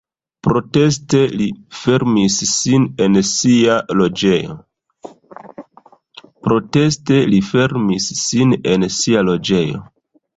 Proteste li fermis sin en sia loĝejo.